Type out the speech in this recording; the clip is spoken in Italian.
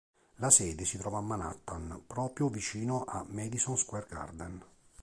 La sede si trova a Manhattan, proprio vicino a Madison Square Garden.